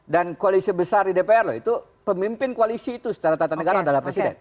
koalisi besar di dpr loh itu pemimpin koalisi itu secara tata negara adalah presiden